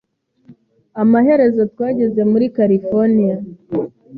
Amaherezo, twageze muri Californiya